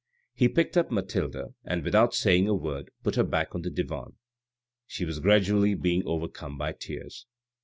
He picked up Mathilde, and without saying a word, put her back on the divan. She was gradually being overcome by tears.